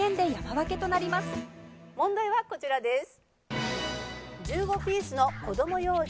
問題はこちらです。